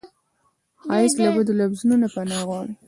ښایست له بدو لفظونو نه پناه غواړي